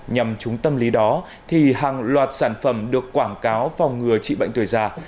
nhằm trúng tâm lý đó thì hàng loạt sản phẩm được quảng cáo phòng ngừa trị bệnh tuổi già